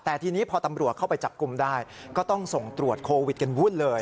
แต่ทีนี้พอตำรวจเข้าไปจับกลุ่มได้ก็ต้องส่งตรวจโควิดกันวุ่นเลย